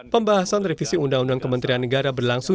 pembahasan revisi undang undang kementerian negara berlangsung